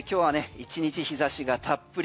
１日日差しがたっぷり。